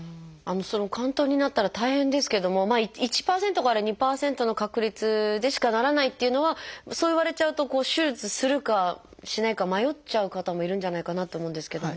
その嵌頓になったら大変ですけどもまあ１％から２％の確率でしかならないっていうのはそう言われちゃうと手術するかしないか迷っちゃう方もいるんじゃないかなって思うんですけども。